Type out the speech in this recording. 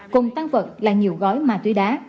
cùng tăng vật là nhiều gói ma túy đá